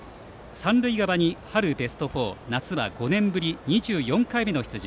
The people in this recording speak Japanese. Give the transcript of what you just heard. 三塁側に春ベスト４夏は５年ぶり２４回目の出場